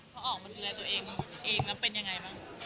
พอออกมันเป็นอะไรตัวเองแล้วเป็นยังไงบ้าง